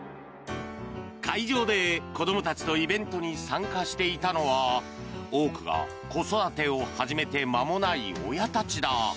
会場で、子どもたちとイベントに参加していたのは多くが子育てを始めて間もない親たちだ。